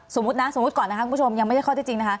สมมุตินะสมมุติก่อนนะครับคุณผู้ชมยังไม่ได้เข้าได้จริง